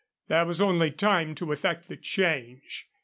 There was only time to effect the change.